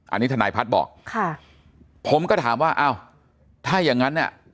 อันนี้ทนายพัฒน์บอกค่ะผมก็ถามว่าอ้าวถ้าอย่างงั้นเนี่ย